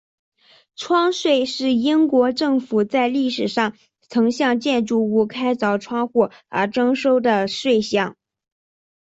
窗税是英国政府在历史上曾向建筑物开凿窗户而征收的税项。